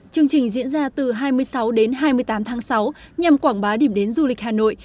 chương trình diễn ra từ hai mươi sáu đến hai mươi tám tháng sáu nhằm quảng bá điểm đến du lịch hà nội